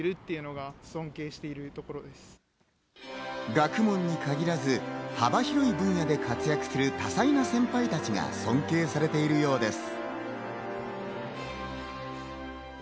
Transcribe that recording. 学問に限らず、幅広い分野で活躍する多才な先輩たちが尊敬されているようです。